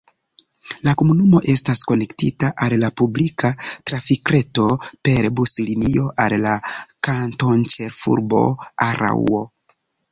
La komunumo estas konektita al la publika trafikreto per buslinio al la kantonĉefurbo Araŭo.